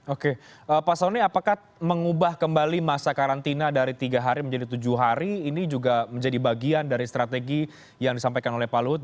oke pak soni apakah mengubah kembali masa karantina dari tiga hari menjadi tujuh hari ini juga menjadi bagian dari strategi yang disampaikan oleh pak luhut